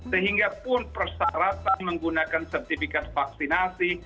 sehingga pun persyaratan menggunakan sertifikat vaksinasi